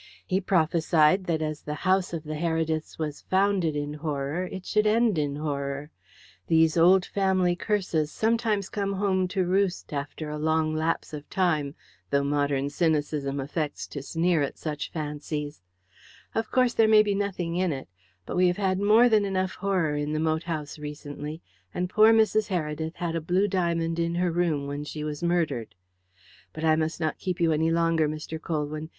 He prophesied that as the house of the Herediths was founded in horror it should end in horror. These old family curses sometimes come home to roost after a long lapse of time, though modern cynicism affects to sneer at such fancies. Of course, there may be nothing in it, but we have had more than enough horror in the moat house recently, and poor Mrs. Heredith had a blue diamond in her room when she was murdered. But I must not keep you any longer, Mr. Colwyn.